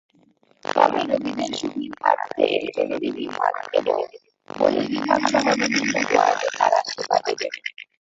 তবে রোগীদের সুবিধার্থে জরুরি বিভাগ এবং বহির্বিভাগসহ বিভিন্ন ওয়ার্ডে তাঁরা সেবা দেবেন।